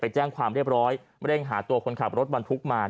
แจ้งความเรียบร้อยเร่งหาตัวคนขับรถบรรทุกมา